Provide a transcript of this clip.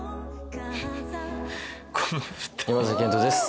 山賢人です。